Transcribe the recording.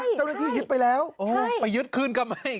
เจ้าหน้าที่ยึดไปแล้วโอ้ไปยึดขึ้นกันไหม